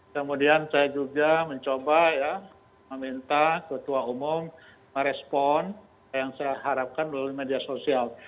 kemudian saya juga mencoba ya meminta ketua umum merespon yang saya harapkan melalui media sosial